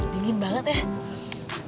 dingin banget ya